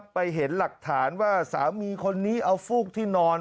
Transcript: ไปเห็นหลักฐานว่าสามีคนนี้เอาฟูกที่นอน